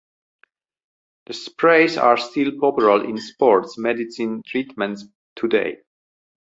The sprays are still popular in sports medicine treatments today.